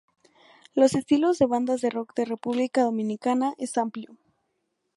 Los estilos de bandas de rock de República Dominicana es amplio.